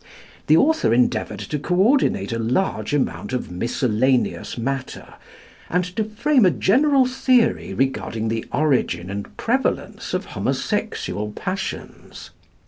The author endeavoured to co ordinate a large amount of miscellaneous matter, and to frame a general theory regarding the origin and prevalence of homosexual passions.